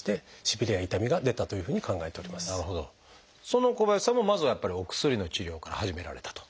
その小林さんもまずはやっぱりお薬の治療から始められたと。